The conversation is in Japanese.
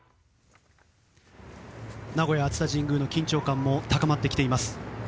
名古屋・熱田神宮の緊張感も高まってきています。